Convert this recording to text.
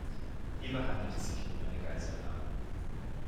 Hierbei handelt es sich um eine Geiselnahme.